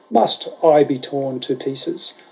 Must I be torn in pieces ?